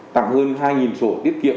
tặng hơn hai sổ tiết kiệm